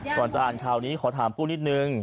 ก่อนจะอ่านข่าวนี้ขอถามปูนิดนึง